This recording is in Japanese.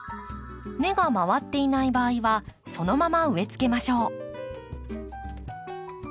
根が回っていない場合はそのまま植えつけましょう。